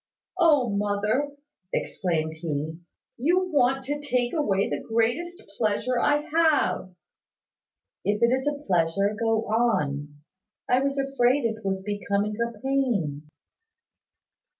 "O, mother!" exclaimed he, "you want to take away the greatest pleasure I have!" "If it is a pleasure, go on. I was afraid it was becoming a pain."